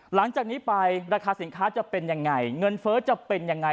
หลังจากนี้ไปราคาสินค้าจะเป็นยังไงเงินเฟ้อจะเป็นยังไง